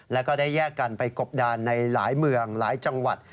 แล้วก็ได้แยกกันไปกบดานในหลายเมืองหลายจังหวัด